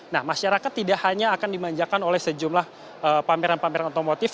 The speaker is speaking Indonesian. nah masyarakat tidak hanya akan dimanjakan oleh sejumlah pameran pameran otomotif